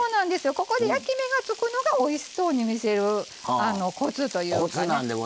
ここで焼き目がつくのがおいしそうに見せるコツというかね。